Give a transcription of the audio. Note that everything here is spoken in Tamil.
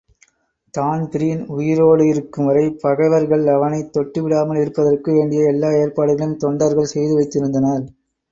தான்பிரீன் உயிரேடிருக்கும் வரை பகைவர்கள் அவனைத் தொட்டுவிடாமல் இருப்பதற்கு வேண்டிய எல்லா ஏற்பாடுகளையும் தொண்டர்கள் செய்து வைத்திருந்தனர்.